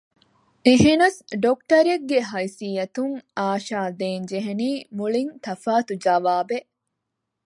އެހެނަސް ޑޮކްޓަރެއްގެ ހައިސިއްޔަތުން އާޝާ ދޭން ޖެހޭނީ މުޅިން ތަފާތު ޖަވާބެއް